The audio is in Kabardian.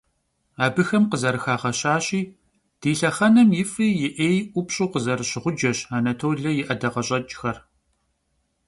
Абыхэм къызэрыхагъэщащи, «ди лъэхъэнэм и фӀи и Ӏеи ӀупщӀу къызэрыщ гъуджэщ Анатолэ и ӀэдакъэщӀэкӀхэр».